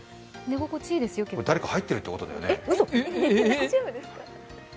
これ、誰か入ってるってことだよね？